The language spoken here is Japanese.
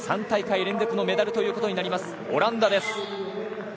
３大会連続のメダルとなりますオランダ。